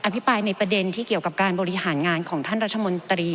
พิปรายในประเด็นที่เกี่ยวกับการบริหารงานของท่านรัฐมนตรี